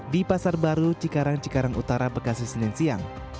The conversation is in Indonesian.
di pasar baru cikarang cikarang utara bekasus indonesia